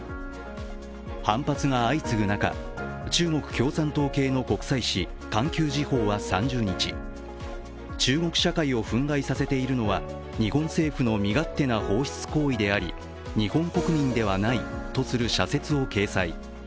反発が相次ぐ中、中国共産党系の国際紙「環球時報」は３０日、中国社会を憤慨させているのは日本政府の身勝手な放出行為であり日本国民ではないとする社説を掲載。